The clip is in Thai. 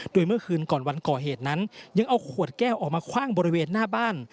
โดยเมื่อคืนก่อนวันก่อเหตุนั้นยังเอาขวดแก้วออกมาคว่างบริเวณหน้าบ้าน